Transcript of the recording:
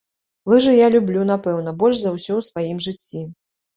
Лыжы я люблю, напэўна, больш за ўсё ў сваім жыцці.